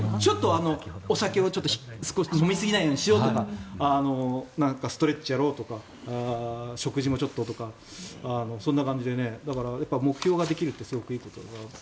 お酒を飲みすぎないようにしないとかストレッチをやろうとか食事もちょっととかそんな感じで目標ができるというのはすごくいいことだなと。